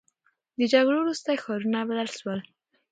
د جګړو وروسته ښارونه بدل سول.